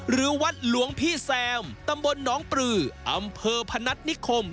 หรือวัดหลวงพี่แซมตำบลน้องปลืออำเภอพนัฐนิคม